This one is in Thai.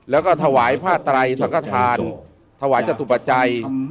แล้วก็ถวายผ้าไตรสังฆฐานถวายจตุปัจจัย